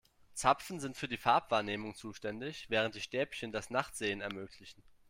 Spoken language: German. Zapfen sind für die Farbwahrnehmung zuständig, während die Stäbchen das Nachtsehen ermöglichen.